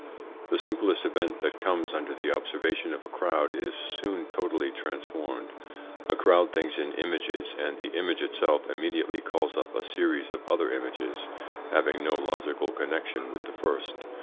The simplest event that comes under the observation of a crowd is soon totally transformed. A crowd thinks in images, and the image itself immediately calls up a series of other images, having no logical connection with the first.